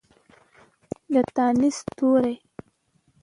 د تانیث توري